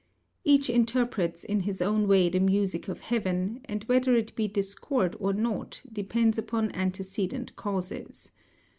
Each interprets in his own way the music of heaven; and whether it be discord or not, depends upon antecedent causes.